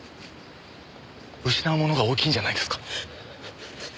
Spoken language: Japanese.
失うものが大きいんじゃないですか？